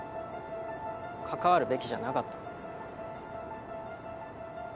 関わるべきじゃなかった。